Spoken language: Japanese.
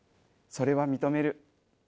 それは認める。